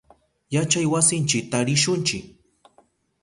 Yachaywasinchita rishunchi.